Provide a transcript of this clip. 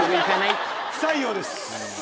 不採用です。